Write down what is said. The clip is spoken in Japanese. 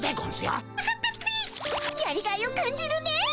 やりがいを感じるねえ。